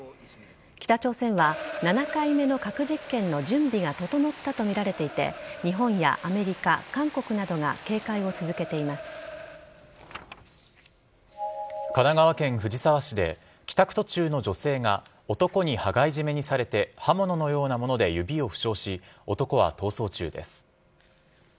北朝鮮は７回目の核実験の準備が整ったとみられていて日本やアメリカ、韓国などが神奈川県藤沢市で帰宅途中の女性が男に羽交い締めにされて刃物のようなもので指を負傷し男は逃走中です。